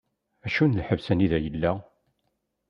Acu n lḥebs anida yella?